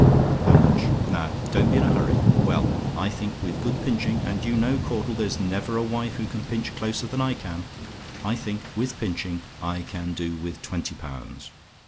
"HOW MUCH? "Now, don't be in a hurry! Well, I think, with good pinching and you know, Caudle, there's never a wife who can pinch closer than I can I think, with pinching, I can do with twenty pounds.